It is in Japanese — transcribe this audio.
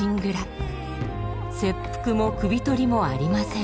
切腹も首取りもありません。